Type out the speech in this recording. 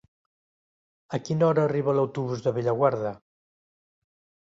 A quina hora arriba l'autobús de Bellaguarda?